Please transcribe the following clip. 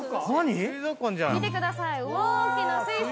見てください。